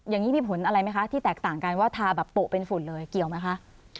อย่างนี้มีผลอะไรไหมคะที่แตกต่างกันว่าทาแบบโปะเป็นฝุ่นเลยเกี่ยวไหมคะ